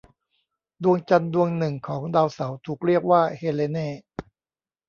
ดวงจันทร์ดวงหนึ่งของดาวเสาร์ถูกเรียกว่าเฮเลเน่.